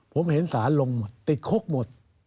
ผมเห็นสารลงหมดติดคุกหมด